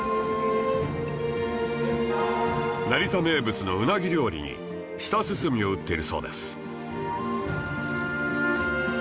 成田名物のうなぎ料理に舌鼓を打っているそうです